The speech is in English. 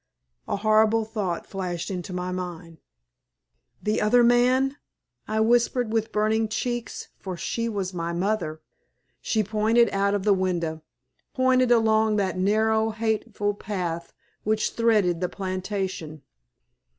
A horrible thought flashed into my mind. "The other man," I whispered, with burning cheeks, for she was my mother. She pointed out of the window pointed along that narrow, hateful path which threaded the plantation.